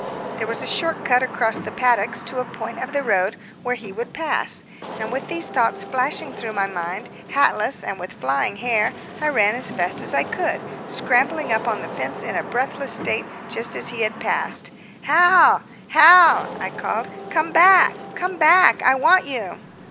There was a short cut across the paddocks to a point of the road where he would pass; and with these thoughts flashing through my mind, hatless and with flying hair, I ran as fast as I could, scrambling up on the fence in a breathless state just as he had passed. "Hal, Hal!" I called. "Come back, come back! I want you."